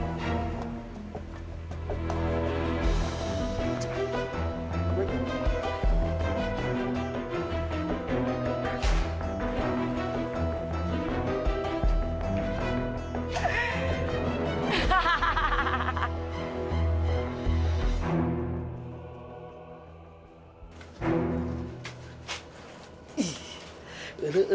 eh ini atas si ipa